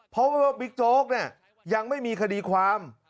เพราะว่าบิ๊กโจ๊กเนี่ยยังไม่มีคดีความ